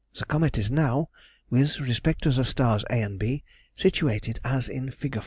The comet is now, with respect to the stars a and b, situated as in Fig.